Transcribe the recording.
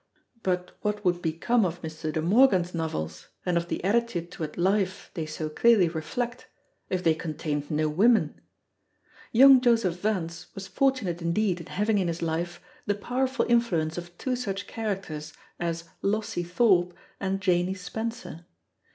But what would become of Mr. De Morgan's novels, and of the attitude toward life they so clearly reflect, if they contained no women? Young Joseph Vance was fortunate indeed in having in his life the powerful influence of two such characters as Lossie Thorpe and Janey Spencer.